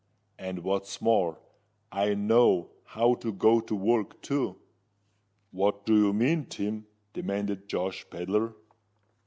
And what's more, I know how to go to work, too." "What do you mean, Tim?" demanded Josh Pedler.